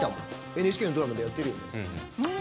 ＮＨＫのドラマでやったよね。